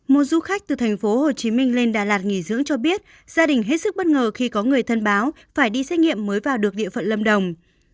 một du khách từ thành phố hồ chí minh lên đà lạt nghỉ dưỡng cho biết gia đình hết sức bất ngờ khi có người thân báo phải đi xét nghiệm mới vào được địa phận lâm đồng